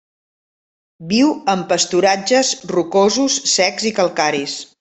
Viu en pasturatges rocosos secs i calcaris.